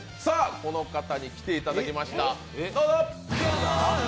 この方に来ていただきました、どうぞ。